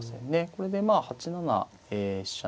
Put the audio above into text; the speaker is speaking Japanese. これでまあ８七飛車